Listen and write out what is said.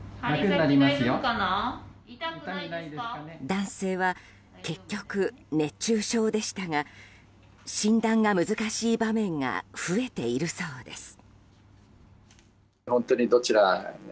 男性は結局、熱中症でしたが診断が難しい場面が増えているそうです。